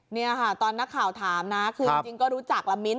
นี่ค่ะตอนนักข่าวถามนะคือจริงก็รู้จักละมิ้นท